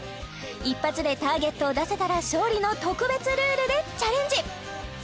一発でターゲットを出せたら勝利の特別ルールでチャレンジ！